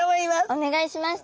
お願いします。